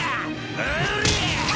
おりゃ！